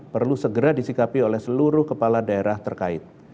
perlu segera disikapi oleh seluruh kepala daerah terkait